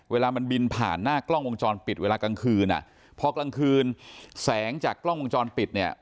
เวลามันบินผ่านหน้ากล้องวงจรปิดเวลากลางคืนอ่ะพอกลางคืนแสงจากกล้องวงจรปิดเนี่ย